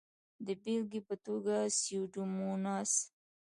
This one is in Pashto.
د بېلګې په توګه سیوډوموناس.